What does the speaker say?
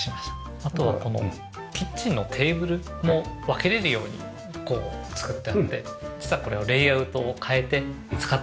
あとはこのキッチンのテーブルも分けれるように作ってあって実はこれはレイアウトを変えて使ったりもできるように。